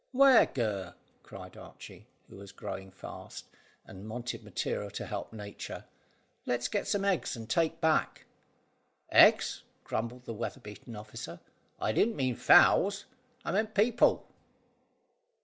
"Where, Gurr?" cried Archy, who was growing fast, and wanted material to help nature. "Let's get some eggs to take back." "Eggs!" grumbled the weather beaten officer; "I didn't mean fowls, I meant people."